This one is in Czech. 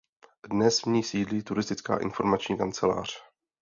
Dnes v ní sídlí turistická informační kancelář.